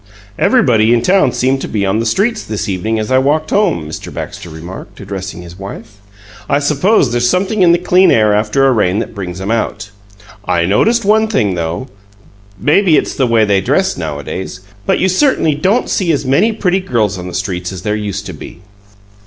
"Everybody in town seemed to be on the streets, this evening, as I walked home," Mr. Baxter remarked, addressing his wife. "I suppose there's something in the clean air after a rain that brings 'em out. I noticed one thing, though; maybe it's the way they dress nowadays, but you certainly don't see as many pretty girls on the streets as there used to be."